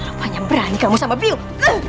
rupanya berani kamu sama biong